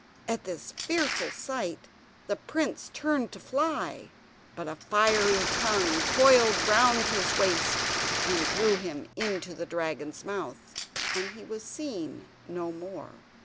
At this fearful sight the prince turned to fly, but a fiery tongue coiled round his waist, and drew him into the dragon's mouth, and he was seen no more.